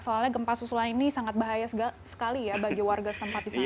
soalnya gempa susulan ini sangat bahaya sekali ya bagi warga setempat di sana